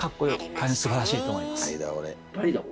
大変すばらしいと思います。